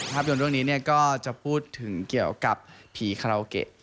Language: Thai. ยนตร์เรื่องนี้ก็จะพูดถึงเกี่ยวกับผีคาราโอเกะ